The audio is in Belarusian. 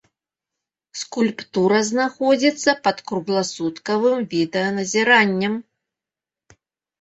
Скульптура знаходзіцца пад кругласуткавым відэаназіраннем.